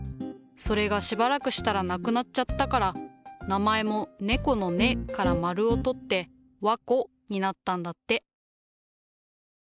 それがしばらくしたらなくなっちゃったから名前も「ねこ」の「ね」から丸を取って「わこ」になったんだって。